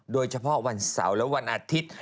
โดยเฉพาะวันเสาร์และวันอาทิตย์